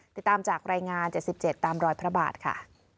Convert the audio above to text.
ติดตามจากรายงาน๗๗ตามรอยพระบาทค่ะ